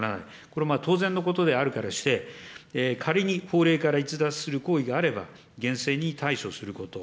これ、当然のことであるからして、仮に法令から逸脱する行為があれば、厳正に対処すること。